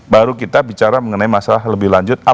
baru kita bicara mengenai masalah lebih lanjut